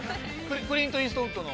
◆クリント・イーストウッドの。